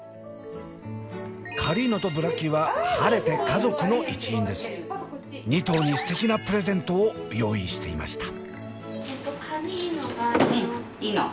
カリーノとブラッキーは晴れて２頭にすてきなプレゼントを用意していました。